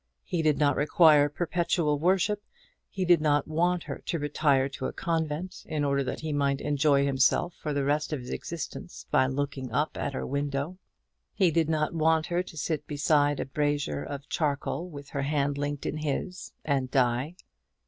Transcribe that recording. He did not require perpetual worship; he did not want her to retire to a convent, in order that he might enjoy himself for the rest of his existence by looking up at her window; he did not want her to sit beside a brazier of charcoal with her hand linked in his and die.